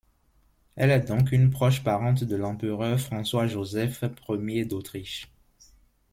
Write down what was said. Elle est donc une proche parente de l'empereur François-Joseph Ier d'Autriche.